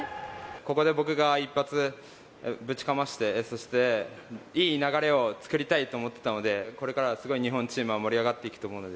ここで僕が一発ぶちかまして、そしていい流れを作りたいと思ってたので、これからはすごい日本チームが盛り上がっていくと思うので、